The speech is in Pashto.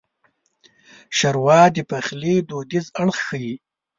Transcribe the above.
ښوروا د پخلي دودیز اړخ ښيي.